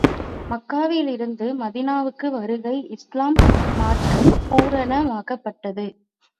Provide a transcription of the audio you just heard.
மக்காவிலிருந்து மதீனாவுக்கு வருகை இஸ்லாம் மார்க்கம் பூரணமாக்கப்பட்டது.